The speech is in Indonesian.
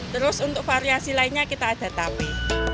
terus untuk variasi lainnya kita ada tapi